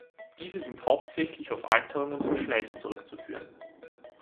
Diese sind hauptsächlich auf Alterung und Verschleiß zurückzuführen.